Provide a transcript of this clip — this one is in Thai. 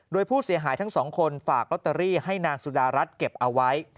โดยผู้เสียหายทั้งสองคนฝากลอตเตอรี่ให้นางสุดารัฐเก็บเอาไว้